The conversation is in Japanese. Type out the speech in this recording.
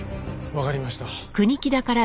わかりました。